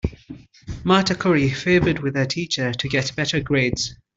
Marta curry favored with her teacher to get better grades.